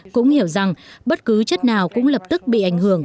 cũng hiểu rằng bất cứ chất nào cũng lập tức bị ảnh hưởng